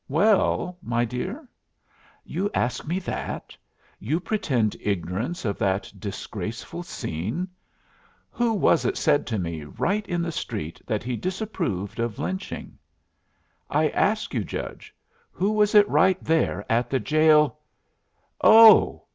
"Well, my dear?" "You ask me that. You pretend ignorance of that disgraceful scene. Who was it said to me right in the street that he disapproved of lynching? I ask you, judge, who was it right there at the jail " "Oh!"